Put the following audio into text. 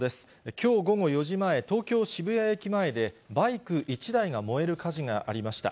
きょう午後４時前、東京・渋谷駅前で、バイク１台が燃える火事がありました。